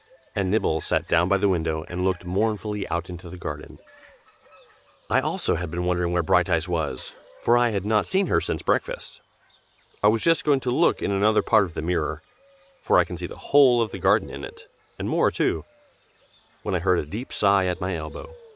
And Nibble sat down by the window, and looked mournfully out into the garden. I also had been wondering where Brighteyes was, for I had not seen her since breakfast. I was just going to look in another part of the mirror, (for I can see the whole of the garden in it, and more too,) when I heard a deep sigh at my elbow.